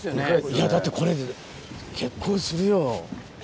いやだってこれで結構するよ。